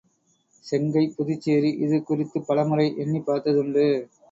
செங்கைப் புதுச்சேரி இது குறித்துப் பலமுறை எண்ணிப் பார்த்ததுண்டு.